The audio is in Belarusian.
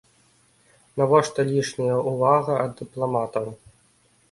Навошта лішняя ўвага ад дыпламатаў?